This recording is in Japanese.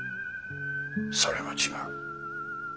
それも違う。